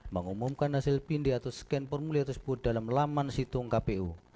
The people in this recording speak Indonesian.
mengumumkan hasil pindih atau scan formulia tersebut dalam laman situng kpu